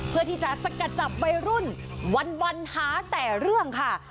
เพื่อที่จะสกัดจับวัยรุ่นวันหาแต่เรื่องค่ะ